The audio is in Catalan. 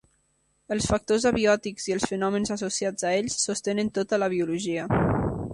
Els factors abiòtics i els fenòmens associats a ells sostenen tota la biologia.